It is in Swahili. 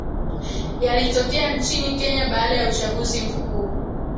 yaliyotokea nchini kenya baada ya uchaguzi mkuu